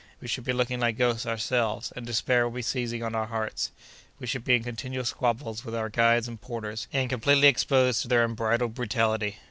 We should be looking like ghosts ourselves, and despair would be seizing on our hearts. We should be in continual squabbles with our guides and porters, and completely exposed to their unbridled brutality.